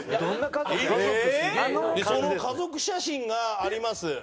その家族写真があります。